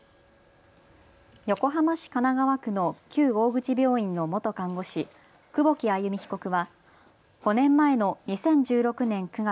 横浜市神奈川区の旧大口病院の元看護師、久保木愛弓被告は５年前の２０１６年９月、